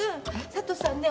佐都さんね